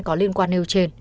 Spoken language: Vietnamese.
có liên quan nêu trên